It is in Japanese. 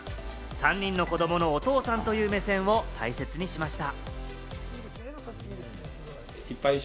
３人の子どものお父さんという目線を大切にしました。